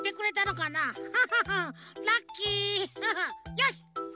よし！